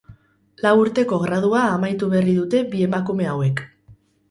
Lau urteko gradua amaitu berri dute bi emakume hauek.